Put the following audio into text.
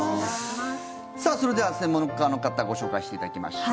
さあ、それでは専門家の方ご紹介していただきましょう。